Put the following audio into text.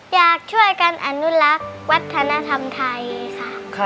อยากช่วยกันอนุรักษ์วัฒนธรรมไทยค่ะ